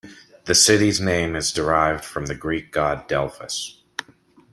The city's name is derived from the Greek god Delphus.